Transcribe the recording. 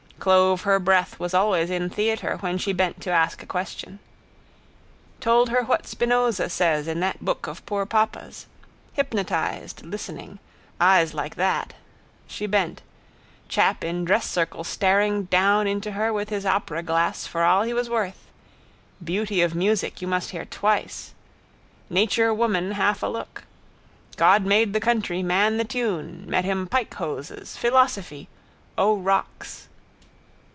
Clove her breath was always in theatre when she bent to ask a question. Told her what Spinoza says in that book of poor papa's. Hypnotised, listening. Eyes like that. She bent. Chap in dresscircle staring down into her with his operaglass for all he was worth. Beauty of music you must hear twice. Nature woman half a look. God made the country man the tune. Met him pike hoses. Philosophy. O rocks!